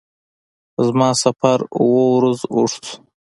زما سفر اووه ورځو اوږد شو.